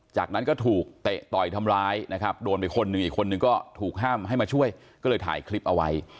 จากนั้นก็ถูกเตะต่อยทำร้ายนะครับโดนไปคนหนึ่งอีกคนนึงก็ถูกห้ามให้มาช่วยก็เลยถ่ายคลิปเอาไว้